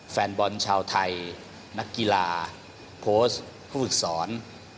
แฟนบอลชาวไทยนักกีฬาโพสต์ผู้ศึกษร